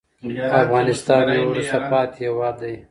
افغانستان يو وروسته پاتې هېواد دې